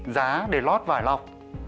giá để lót vải lọc